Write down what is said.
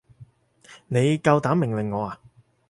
你夠膽命令我啊？